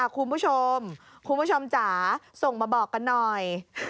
คุณผู้ชมจ๋าส่งมาบอกกันหน่อย